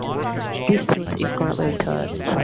This suite is currently retired.